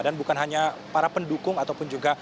dan bukan hanya para pendukung ataupun juga